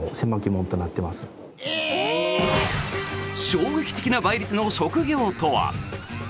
衝撃的な倍率の職業とは？